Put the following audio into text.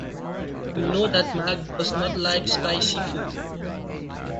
We know that Mark does not like spicy food.